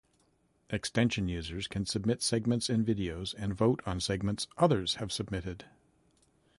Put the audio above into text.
Extension users can submit segments in videos and vote on segments others have submitted.